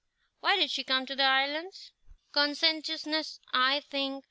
"Why did she come to the islands?" "Conscientiousness, I think.